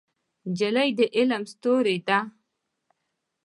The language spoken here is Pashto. نجلۍ د علم ستورې ده.